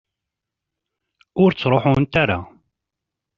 Ur ttruḥunt ara.